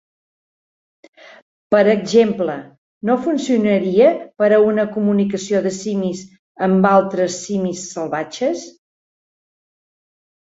Per exemple, no funcionaria per a una comunicació de simis amb altres simis salvatges.